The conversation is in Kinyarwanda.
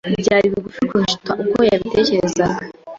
Byari bigufi kuruta uko yabitekerezaga.